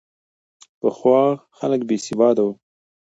پخوا خلک بې سواده وو.